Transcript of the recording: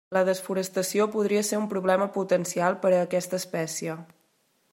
La desforestació podria ser un problema potencial per a aquesta espècie.